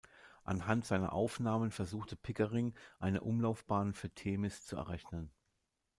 Anhand seiner Aufnahmen versuchte Pickering, eine Umlaufbahn für Themis zu errechnen.